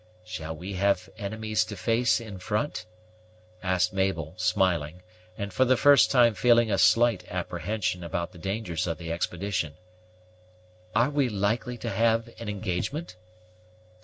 "Shall we have enemies to face in front?" asked Mabel, smiling, and for the first time feeling a slight apprehension about the dangers of the expedition. "Are we likely to have an engagement?"